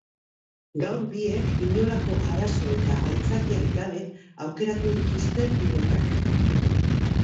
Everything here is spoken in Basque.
Gaur biek inolako arazo eta aitzakiarik gabe aukeratu dituzte pilotak.